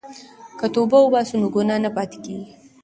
که توبه وباسو نو ګناه نه پاتې کیږي.